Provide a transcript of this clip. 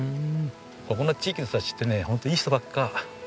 ここの地域の人たちってねホントいい人ばっか。